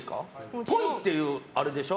っぽいっていうあれでしょ。